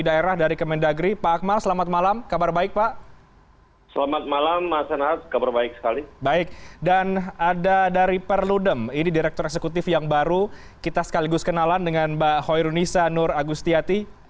baik dan ada dari perludem ini direktur eksekutif yang baru kita sekaligus kenalan dengan mbak hoirunisa nur agustiati